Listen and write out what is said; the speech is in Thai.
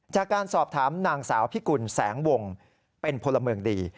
จากการสอบถามนางสาวพิกุลแสงวงเป็นพลเมืองดี